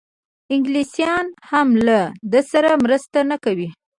انګلیسیان هم له ده سره مرسته نه کوي.